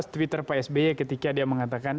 twitter pak s b ketika dia mengatakan